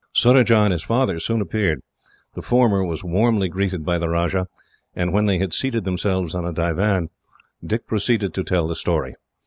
Surajah and his father soon appeared. The former was warmly greeted by the Rajah, and when they had seated themselves on a divan, Dick proceeded to tell the story.